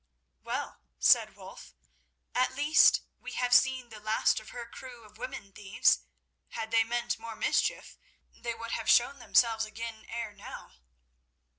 "Well," said Wulf, "at the least we have seen the last of her crew of women thieves. Had they meant more mischief, they would have shown themselves again ere now."